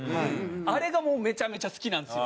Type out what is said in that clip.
あれがもうめちゃめちゃ好きなんですよ。